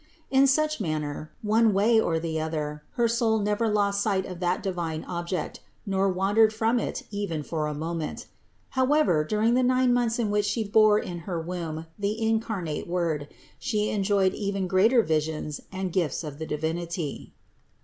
In such manner, one way or the other, her soul never lost sight of that divine Object, nor wan dered from It even for a moment. However, during the nine months in which She bore in her womb the 134 CITY OF GOD incarnate Word, She enjoyed even greater visions arid gifts of the Divinity.